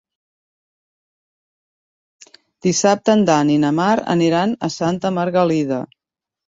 Dissabte en Dan i na Mar aniran a Santa Margalida.